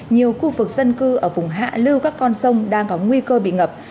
nhiều khu vực dân cư ở vùng hạ lưu các con sông đang có nguy cơ bị ngập